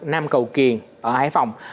nam cầu kiền ở hải phòng